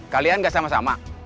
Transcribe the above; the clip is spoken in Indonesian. kalian gak sama sama